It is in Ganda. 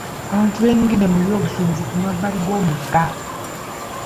Abantu beenyigidde mu byobusuubuzi ku mabbali g'omugga.